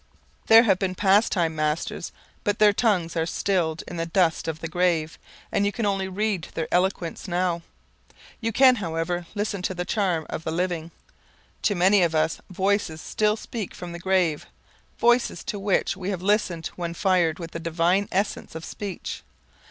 There have been past time masters but their tongues are stilled in the dust of the grave, and you can only read their eloquence now. You can, however, listen to the charm of the living. To many of us voices still speak from the grave, voices to which we have listened when fired with the divine essence of speech.